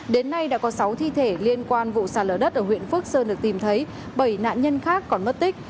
đến nay đã có sáu thi thể liên quan vụ sạt lở đất ở huyện phước sơn được tìm thấy bảy nạn nhân khác còn mất tích